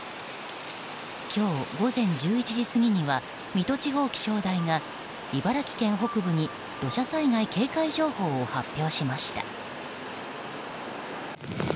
今日午前１１時過ぎには水戸地方気象台が茨城県北部に土砂災害警戒情報を発表しました。